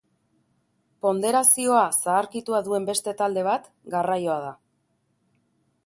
Ponderazioa zaharkitua duen beste talde bat garraioa da.